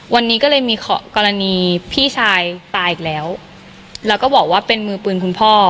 วันนี้ก็เลยมีกรณีพี่ชายตายอีกแล้วแล้วก็บอกว่าเป็นมือปืนคุณพ่อ